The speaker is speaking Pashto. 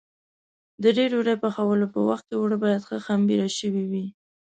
د دې ډوډۍ پخولو په وخت کې اوړه باید ښه خمېره شوي وي.